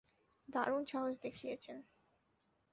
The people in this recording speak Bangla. দারুন সাহস দেখিয়েছেন।